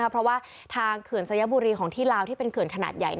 เพราะว่าทางเขื่อนสยบุรีของที่ลาวที่เป็นเขื่อนขนาดใหญ่